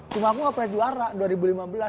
cuma aku gak pake juara